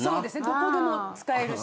どこでも使えるし。